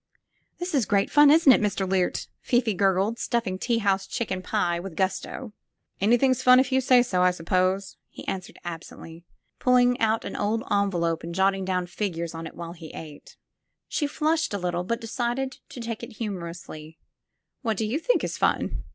''This is great fun, isn't it, Mr. Loote?" Fifi gurgled, stuffing tea house chicken pie with gusto. " Anything 's fun if you think so, I suppose," he answered absently, pulling out an old envelope and jot ting down figures on it while he ate. 189 SQUARE PEGGY She flushed a little, but decided to take it humor ously. '*What do you think is fun?"